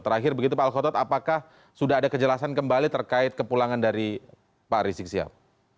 terakhir begitu pak al khotot apakah sudah ada kejelasan kembali terkait kepulangan dari pak rizik siap